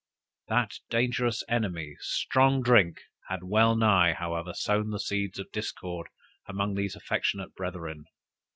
That dangerous enemy, strong drink, had well nigh, however, sown the seeds of discord among these affectionate brethren.